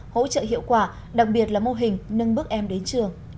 hỗ trợ hiệu quả đặc biệt là mô hình nâng bước em đến trường